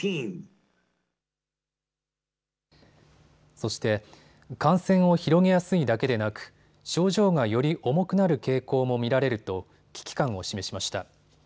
そして感染を広げやすいだけでなく症状がより重くなる傾向も見られると危機感を示しました。